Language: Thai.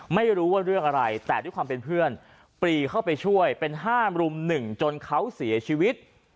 ไม่รู้ว่าเรื่องอะไรแต่ด้วยความเป็นเพื่อนปรีเข้าไปช่วยเป็นห้ามรุม๑จนเขาเสียชีวิต